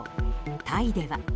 タイでは。